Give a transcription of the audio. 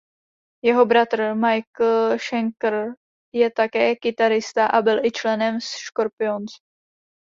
Jeho bratr Michael Schenker je také kytarista a byl i členem Scorpions.